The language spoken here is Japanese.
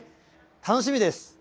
楽しみです。